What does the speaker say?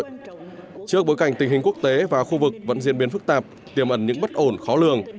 trước bối cảnh tình hình quốc tế và khu vực vẫn diễn biến phức tạp tiềm ẩn những bất ổn khó lường